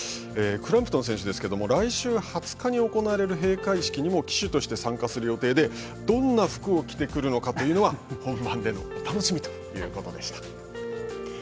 クランプトン選手ですけれども来週２０日に行われる閉会式にも旗手として参加する予定でどんな服を着てくるのかというのは本番でのお楽しみということでした。